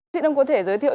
thị đông có thể giới thiệu